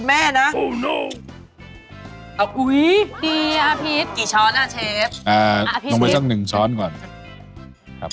อันนั้นไว้แต่งครับ